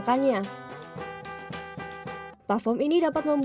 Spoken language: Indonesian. platform ini dapat membuat penyelamatkan jasa hukum yang terpercaya atau ragu